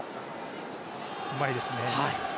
うまいですね。